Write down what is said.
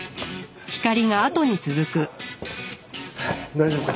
大丈夫か？